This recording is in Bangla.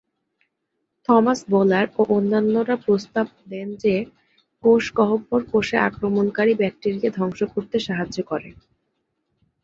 থমাস বলার ও অন্যরা প্রস্তাব দেন যে, কোষ গহ্বর কোষে আক্রমণকারী ব্যাকটেরিয়া ধ্বংস করতে সাহায্য করে।